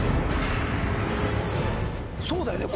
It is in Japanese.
そうだよね